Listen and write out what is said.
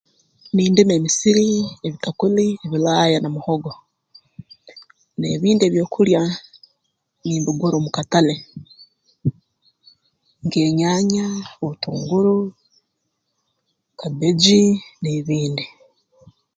Nindima emisiri ebitakuli ebilaaya na muhogo n'ebindi ebyokulya nimbigura omu katale nk'enyaanya obutunguru kabbeji n'ebindi